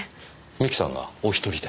三木さんがお一人で？